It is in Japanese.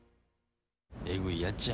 えぐいやっちゃ。